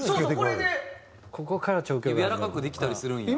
やわらかくできたりするんや。